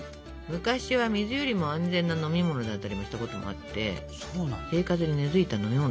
昔は水よりも安全な飲み物だったりもしたこともあって生活に根づいた飲み物だったってことね。